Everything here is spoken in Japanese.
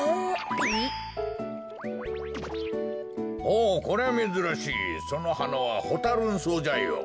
ほうこりゃめずらしいそのはなはホタ・ルン草じゃよ。